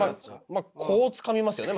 まあこうつかみますよね。